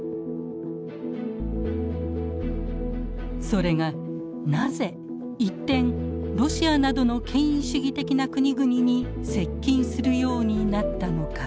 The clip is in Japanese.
それがなぜ一転ロシアなどの権威主義的な国々に接近するようになったのか。